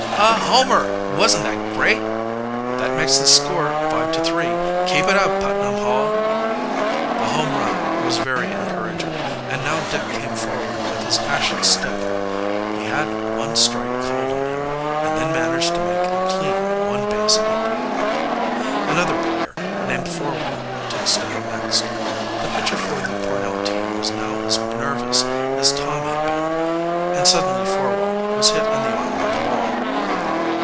"A homer! Wasn't that great!" "That makes the score 5 to 3. Keep it up, Putnam Hall!" The home run was very encouraging, and now Dick came forward with his ashen stick. He had one strike called on him and then managed to make a clean one base hit. Another player, named Forwell, took stand next. The pitcher for the Pornell team was now as nervous as Tom bad been and suddenly Forwell was hit in the arm by the ball.